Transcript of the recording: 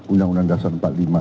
undang undang dasar empat puluh lima